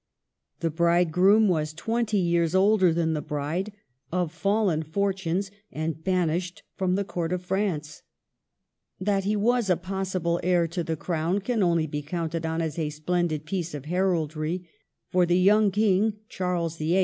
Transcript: The bridegroom was twenty years older than the bride, of fallen fortunes, and banished from the Court of France. That he was a possible heir to the Crown can only have counted as a splendid piece of heraldry; for the young king, Charles VIII.